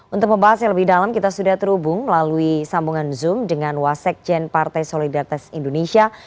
untuk membahas yang lebih dalam kita sudah terhubung melalui sambungan zoom dengan wasekjen partai solidaritas indonesia